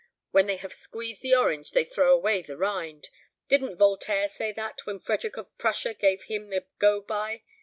When they have squeezed the orange, they throw away the rind. Didn't Voltaire say that, when Frederick of Prussia gave him the go by?